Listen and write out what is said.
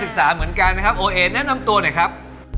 เหมือนกันนะครับโอเอแนะนำตัวหน่อยครับ